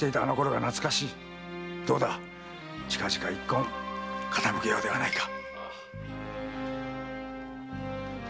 どうだ近々一献かたむけようではないか。